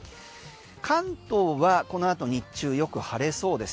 関東はこのあと日中よく晴れそうです。